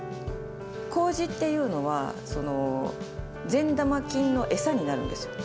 こうじっていうのは、善玉菌の餌になるんですよ。